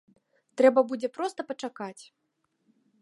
Трэба будзе проста пачакаць.